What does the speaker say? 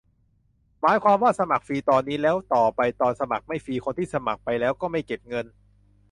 หมายความว่า สมัครฟรีตอนนี้แล้ว ต่อไปตอนสมัครไม่ฟรี คนที่สมัครไปแล้วก็ไม่เก็บเงิน ?